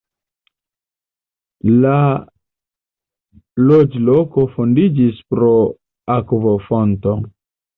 La loĝloko fondiĝis pro akvofonto.